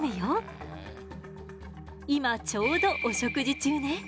今ちょうどお食事中ね。